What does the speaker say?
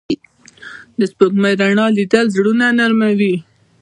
د سپوږمۍ رڼا لیدل زړونه نرموي